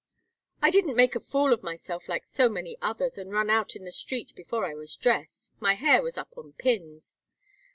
I didn't make a fool of myself like so many others, and run out in the street before I was dressed; my hair was up on pins.